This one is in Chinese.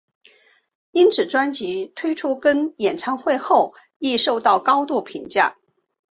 因此专辑推出跟演唱会后亦受到高度评价。